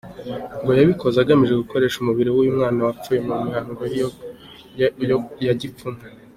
Ngo yabikoze agamije gukoresha umubiri w’uyu mwana wapfuye mu mihango ya gipfumu.